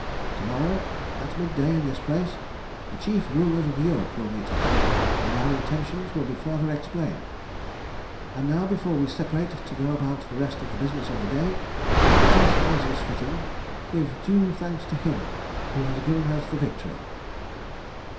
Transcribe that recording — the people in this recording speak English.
"To morrow, at mid day in this place, the chief rulers of Europe will meet us, and our intentions will be further explained. And now before we separate to go about the rest of the business of the day let us, as is fitting, give due thanks to Him who has given us the victory."